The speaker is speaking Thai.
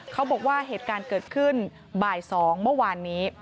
เขาบอกว่าเหตุการณ์เกิดขึ้นบ่าย๒เมื่อวานนี้